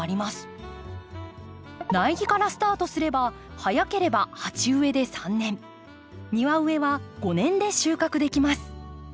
苗木からスタートすれば早ければ鉢植えで３年庭植えは５年で収穫できます。